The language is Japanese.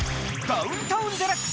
ダウンタウンＤＸ。